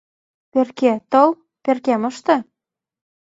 Перке, тол, перкем ыште.